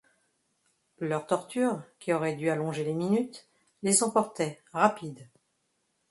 Leurs tortures, qui auraient dû allonger les minutes, les emportaient, rapides.